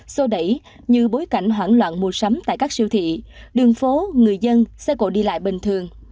xô đẩy như bối cảnh hoảng loạn mua sắm tại các siêu thị đường phố người dân xe cộ đi lại bình thường